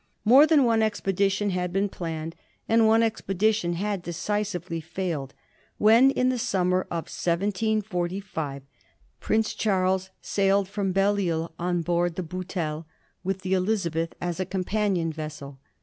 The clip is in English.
More than one expedition had been planned, and one expedition had decisively failed, when in the summer of 1745 Prince Charles sailed from Belleisle on board the SauteUCy with the Elizabeth as a companion vessel.